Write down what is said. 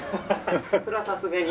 それはさすがに。